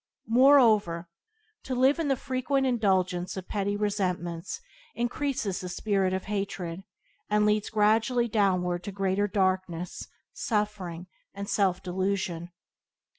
Moreover, to live in the frequent indulgence of petty resentments increase the spirit of hatred, and leads gradually downward to greater darkness, suffering, and self delusion.